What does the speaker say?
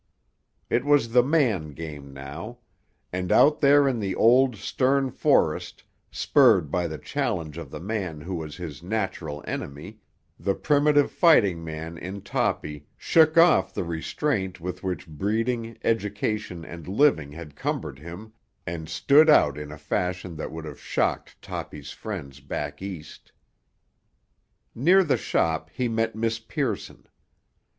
It was the man game now; and out there in the old, stern forest, spurred by the challenge of the man who was his natural enemy, the primitive fighting man in Toppy shook off the restraint with which breeding, education and living had cumbered him, and stood out in a fashion that would have shocked Toppy's friends back East. Near the shop he met Miss Pearson.